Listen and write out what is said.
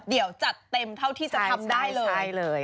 เดี๋ยวจัดเต็มเท่าที่จะทำได้เลย